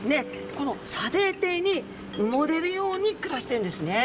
この砂泥底に埋もれるように暮らしてるんですね。